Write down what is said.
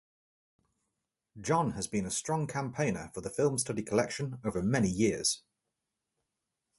John has been a strong campaigner for the Film Study Collection over many years.